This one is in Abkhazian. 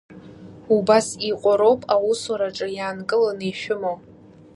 Убас иҟоу роуп аусураҿ иаанкыланы ишәымоу.